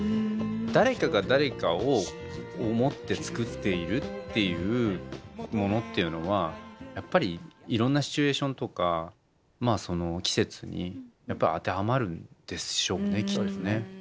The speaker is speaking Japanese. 誰かが誰かを思って作っているっていうものっていうのはやっぱりいろんなシチュエーションとか季節に当てはまるんでしょうねきっとね。